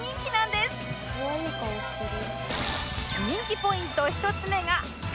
「かわいい顔してる」